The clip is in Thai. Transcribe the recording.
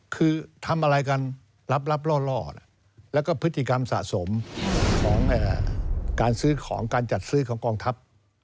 คือทำอะไรกันลับล่อแล้วก็พฤติกรรมสะสมของการซื้อของการจัดซื้อของกองทัพ